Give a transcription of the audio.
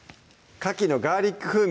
「かきのガーリック風味」